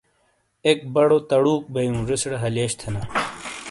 ایک بڑو تڑُوک بئیوں۔ زیسیرے ہلیئش تھینا۔